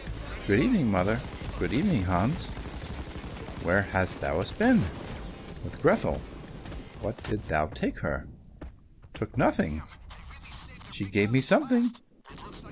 "Good evening, mother." "Good evening, Hans. Where hast thou been?" "With Grethel." "What didst thou take her?" "Took nothing, she gave me something."